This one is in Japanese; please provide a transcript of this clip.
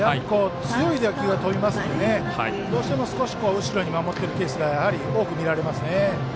強い打球が飛びますのでどうしても少し後ろに守ってるケースが多く見られますね。